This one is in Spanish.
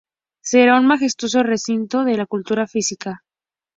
Será un majestuoso recinto de la cultura física.